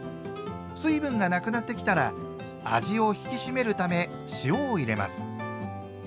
水分がなくなってきたら味を引き締めるため塩を入れます。